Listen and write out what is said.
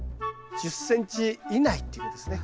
１０ｃｍ以内っていうことですね。